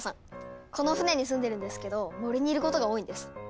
この船に住んでるんですけど森にいることが多いんです。